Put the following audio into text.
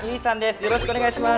よろしくお願いします。